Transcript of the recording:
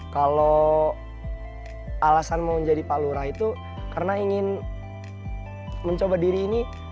kalau alasan mau menjadi pak lurah itu karena ingin mencoba diri ini